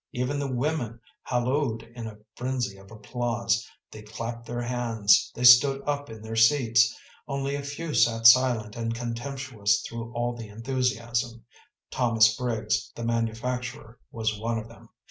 Even the women hallooed in a frenzy of applause, they clapped their hands, they stood up in their seats. Only a few sat silent and contemptuous through all the enthusiasm. Thomas Briggs, the manufacturer, was one of them.